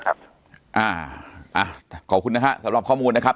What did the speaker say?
ครับอ่าอ่าขอบคุณนะครับสำหรับข้อมูลนะครับ